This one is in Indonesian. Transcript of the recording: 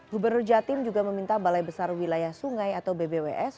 gubernur jatim juga meminta balai besar wilayah sungai atau bbws